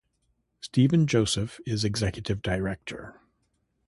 Stephen Joseph is Executive Director.